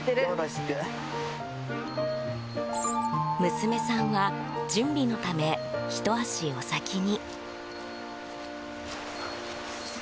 娘さんは準備のためひと足お先に。